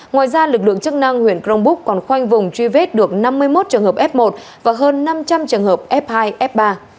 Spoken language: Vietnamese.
ngoài ra lực lượng chức năng huyện crong búc còn khoanh vùng truy vết được năm mươi một trường hợp f một và hơn năm trăm linh trường hợp f hai f ba